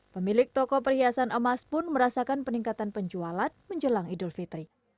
pemilik toko perhiasan emas pun merasakan peningkatan penjualan menjelang idul fitri